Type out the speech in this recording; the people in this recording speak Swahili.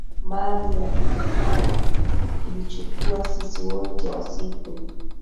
maji ya Itacara Ilichukua sisi wote wa siku